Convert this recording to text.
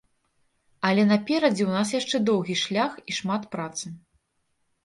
Але наперадзе у нас яшчэ доўгі шлях і шмат працы.